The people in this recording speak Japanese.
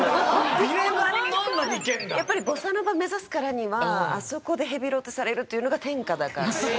やっぱりボサノバ目指すからにはあそこでヘビロテされるっていうのが天下だから。